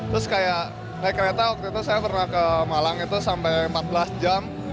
terus kayak naik kereta waktu itu saya pernah ke malang itu sampai empat belas jam